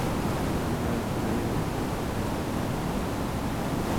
আমরা আপনারই মতে– চন্দ্র।